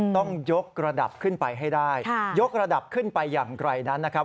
ต้องยกระดับขึ้นไปให้ได้ยกระดับขึ้นไปอย่างไกลนั้นนะครับ